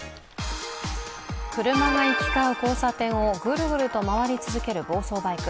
車が行き交う交差点をぐるぐると回り続ける暴走バイク。